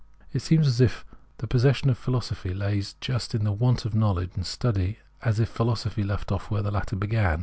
It seems as if the possession of philosophy lay just in the want of knowledge and study, as if philosophy left off where the latter began.